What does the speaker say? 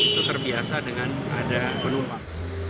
itu terbiasa dengan ada penumpang